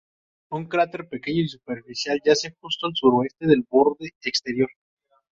Un cráter pequeño y superficial yace justo al suroeste del borde exterior.